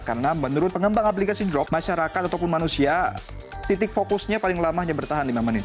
karena menurut pengembang aplikasi drops masyarakat ataupun manusia titik fokusnya paling lama hanya bertahan lima menit